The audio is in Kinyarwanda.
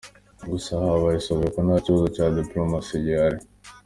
Gusa habaye isubikwa, nta kibazo cya dipolomasi gihari.”